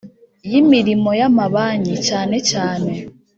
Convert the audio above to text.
y imirimo y amabanki cyane cyane